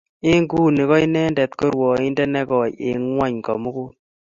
Eng' nguni ko inendet ko rwoindet ne goi Eng' ng'ony ko mugul